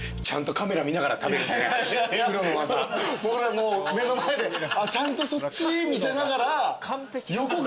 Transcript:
もう目の前でちゃんとそっち見せながら。